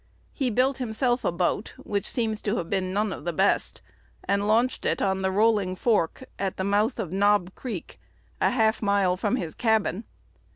He built himself a boat, which seems to have been none of the best, and launched it on the Rolling Fork, at the mouth of Knob Creek, a half mile from his cabin.